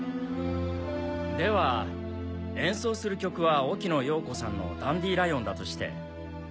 では演奏する曲は沖野ヨーコさんの『ダンディライオン』だとして。